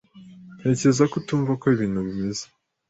Ntekereza ko utumva uko ibintu bimeze.